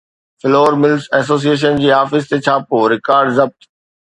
floor mills association جي office تي ڇاپو، رڪارڊ ضبط